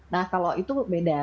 nah kalau itu beda